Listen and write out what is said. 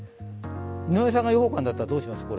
井上さんが予報官だったらどうします？